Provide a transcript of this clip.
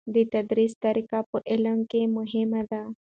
د تدریس طریقی په علم کې مهمې دي.